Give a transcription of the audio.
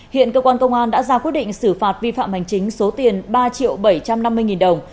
hiện cơ quan công an đã ra quyết định xử phạt vi phạm hành chính số tiền ba triệu bảy trăm năm mươi nghìn đồng